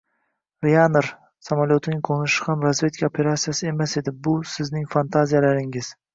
Ryanair samolyotining qo‘nishi ham razvedka operasiyasi emas edi, bu sizning fantaziyalaringiz